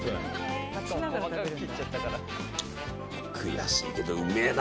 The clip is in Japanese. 悔しいけど、うめえな！